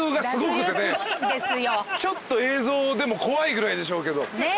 ちょっと映像でも怖いぐらいでしょうけど。